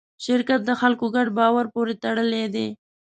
شرکت د خلکو ګډ باور پورې تړلی دی.